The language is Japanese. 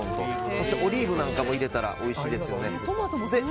オリーブなんかも入れたらおいしいですよね。